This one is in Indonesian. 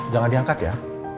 jangan diangkat ya